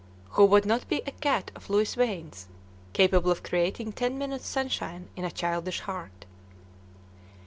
Who would not be a cat of Louis Wain's, capable of creating ten minutes' sunshine in a childish heart?"